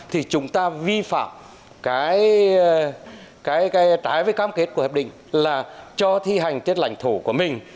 thì chúng ta vi phạm cái trái với cam kết của hiệp định là cho thi hành trên lãnh thổ của mình